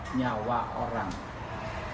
selain itu yang lebih memberatkan tadi adalah